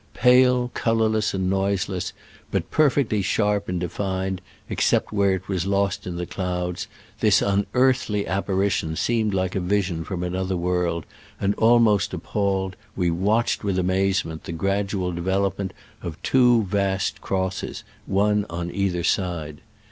Pale, colorless and noiseless, but perfectly sharp and defined, except where it was lost in the clouds, this unearthly appari tion seemed like a vision from another world, and almost appalled we watched with amazement the gradual develop ment of two vast crosses, one on either side.